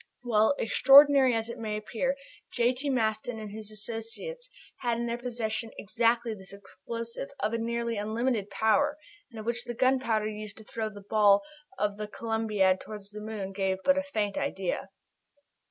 Well, extraordinary as it may appear, J.T. Maston and his associates had in their possession exactly this explosive, of a nearly unlimited power, and of which the gunpowder used to throw the ball of the [C]olumbiad towards the moon gave but a faint idea.